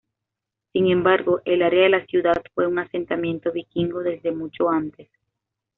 Sin embargo, el área de la ciudad fue un asentamiento vikingo desde mucho antes.